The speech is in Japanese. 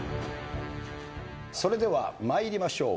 それでは参りましょう。